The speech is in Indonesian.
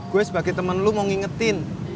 gue sebagai temen lu mau ngingetin